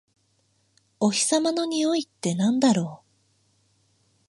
お日様のにおいってなんだろう？